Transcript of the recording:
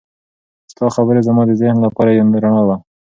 ستا خبرې زما د ذهن لپاره یو رڼا وه.